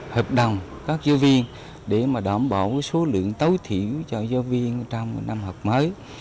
hợp đồng các giáo viên để đảm bảo số lượng tấu thiếu cho giáo viên trong năm học mới